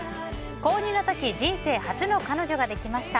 高２の時人生初の彼女ができました。